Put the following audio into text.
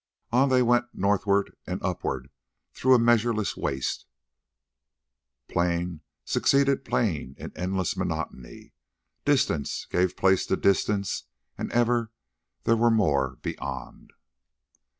On they went northward and upward through a measureless waste; plain succeeded plain in endless monotony, distance gave place to distance, and ever there were more beyond.